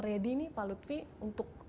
ready nih pak lutfi untuk